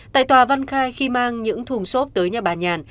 tại tòa văn khai khi mang những thùng xốp tới nhà bà nhàn